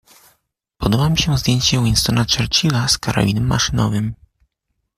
Podoba mi się zdjęcie Winstona Churchila z karabinem maszynowym.